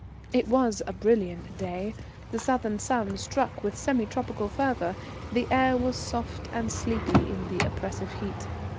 It was a brilliant day, the Southern sun struck with semi tropical fervour, the air was soft and sleepy in the oppressive heat.